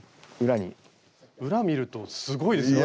裏見るとすごいですから。